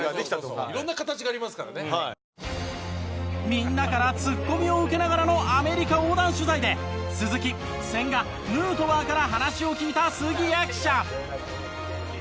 みんなからツッコミを受けながらのアメリカ横断取材で鈴木千賀ヌートバーから話を聞いた杉谷記者。